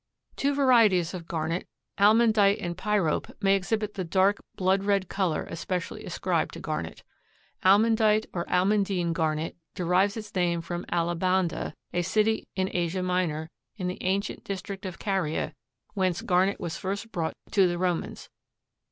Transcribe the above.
Two varieties of garnet, almandite and pyrope, may exhibit the dark blood red color especially ascribed to garnet. Almandite or almandine garnet derives its name from Alabanda, a city of Asia Minor, in the ancient district of Caria, whence garnet was first brought to the Romans.